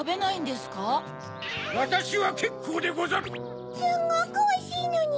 すっごくおいしいのに。